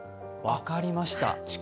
分かりました。